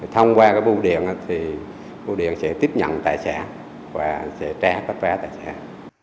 thông qua cái bưu điện thì bưu điện sẽ tiếp nhận tài sản và sẽ trả các phá tài sản